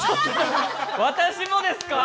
私もですか？